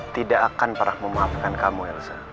tidak akan pernah memaafkan kamu elsa